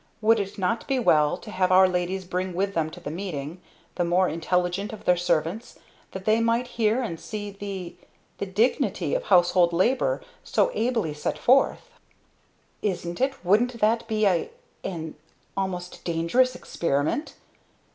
Would it not be well to have our ladies bring with them to the meeting the more intelligent of their servants; that they might hear and see the the dignity of household labor so ably set forth? "Isn't it wouldn't that be a an almost dangerous experiment?"